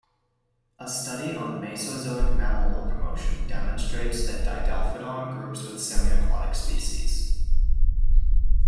A study on Mesozoic mammal locomotion demonstrates that "Didelphodon" groups with semi-aquatic species.